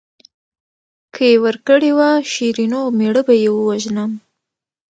که یې ورکړې وه شیرینو او مېړه به یې ووژنم.